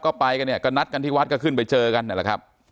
ก็ไปกันเนี่ยก็นัดกันที่วัดก็ขึ้นไปเจอกันนั่นแหละครับ